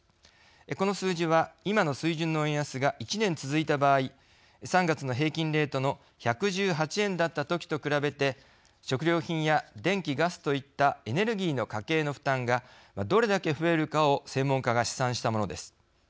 この数字は今の水準の円安が１年続いた場合３月の平均レートの１１８円だったときと比べて食料品や電気・ガスといったエネルギーの家計の負担がどれだけ増えるかを専門家が試算したものです。